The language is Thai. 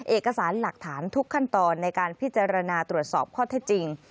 เอกสารหลักฐานทุกขั้นตอนในการพิจารณาตรวจสอบข้อเท็จจริง